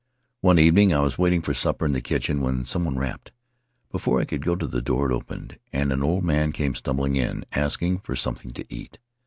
"One evening I was waiting for supper in the kitchen when some one rapped. Before I could go to the door, it opened, and an old man came stumbling in, asking for something to eat.